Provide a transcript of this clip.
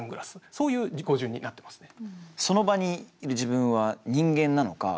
そういう語順になってますね。